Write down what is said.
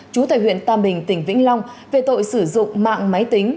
chú thầy huyện tàm bình tỉnh vĩnh long về tội sử dụng mạng máy tính